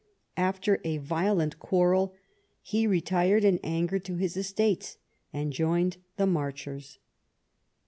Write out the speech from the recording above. After a violent quarrel he retired in anger to his estates and joined the Marchers.